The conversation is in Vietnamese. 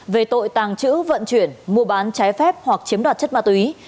về tội tàng trữ vận chuyển mua bán trái phép hoặc chiếm đoạt chất ma túy